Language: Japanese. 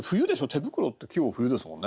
「手袋」って季語冬ですもんね。